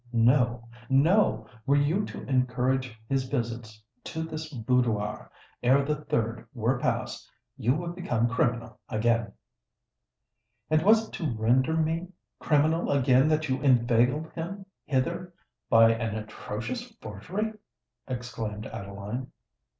No—no! Were you to encourage his visits to this boudoir, ere the third were passed, you would become criminal again!" "And was it to render me criminal again that you inveigled him hither by an atrocious forgery?" exclaimed Adeline.